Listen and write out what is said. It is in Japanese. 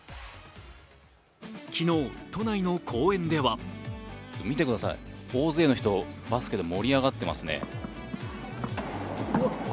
昨日、都内の公園では見てください、大勢の人がバスケで盛り上がってますね。